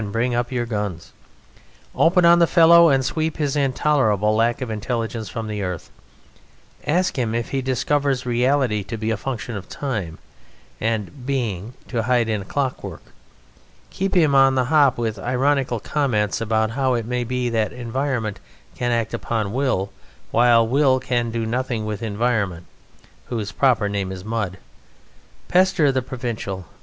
bring up your guns! Open on the fellow and sweep his intolerable lack of intelligence from the earth. Ask him if he discovers reality to be a function of time, and Being to hide in clockwork. Keep him on the hop with ironical comments upon how it may be that environment can act upon Will, while Will can do nothing with environment whose proper name is mud. Pester the provincial.